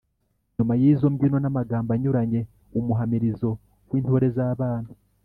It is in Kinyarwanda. nyuma y’izo mbyino n’amagambo anyuranye; umuhamirizo w’intore z’abana